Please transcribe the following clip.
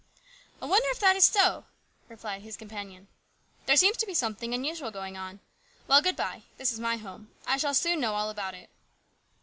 " I wonder if that is so ?" replied his companion. " There seems to be something unusual going on. Well, good bye. This is my home. I shall soon know all about it.''